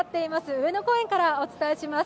上野公園からお伝えします。